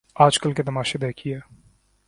آج کل کے تماشے دیکھیے۔